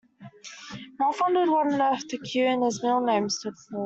Ralph wondered what on earth the Q in his middle name stood for.